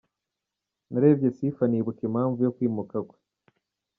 Narebye Sifa nibuka impamvu yo kwimuka kwe.